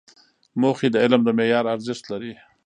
موخې د علم د معیار ارزښت لري.